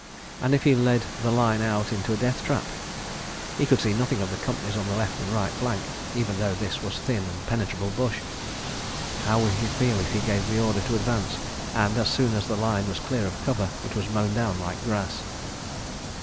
And if he led the line out into a deathtrap? ... He could see nothing of the companies on the left and right flank, even though this was thin and penetrable bush. How would he feel if he gave the order to advance and, as soon as the line was clear of cover, it was mown down like grass?